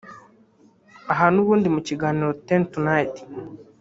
Aha n’ubundi mu kiganiro Ten Tonight